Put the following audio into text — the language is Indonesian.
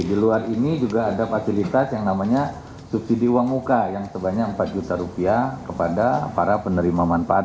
di luar ini juga ada fasilitas yang namanya subsidi uang muka yang sebanyak empat juta rupiah kepada para penerima manfaat